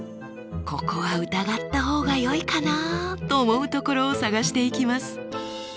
ここは疑った方がよいかなと思うところを探していきます。